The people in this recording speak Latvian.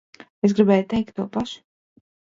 Es gribēju teikt to pašu.